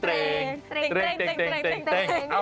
เตรงเตรงเตรงเตรงเตรงเตรง